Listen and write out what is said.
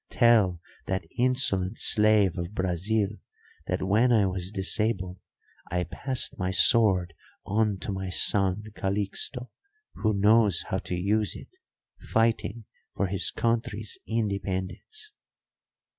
Tell that insolent slave of Brazil that when I was disabled I passed my sword on to my son Calixto, who knows how to use it, fighting for his country's independence.'